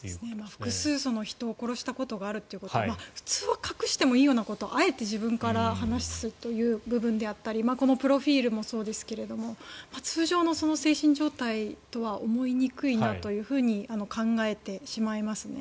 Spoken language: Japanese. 複数人を殺したことがあるということ普通は隠してもいいようなことをあえて自分から話をするという部分であったりこのプロフィルもそうですけど通常の精神状態とは思いにくいなと考えてしまいますね。